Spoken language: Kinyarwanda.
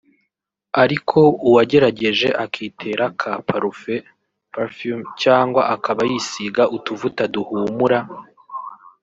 ariko uwagerageje akitera ka parufe(parfum) cyangwa akaba yisiga utuvuta duhumura